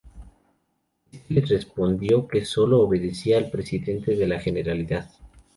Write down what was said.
Éste le respondió que sólo obedecía al presidente de la Generalidad.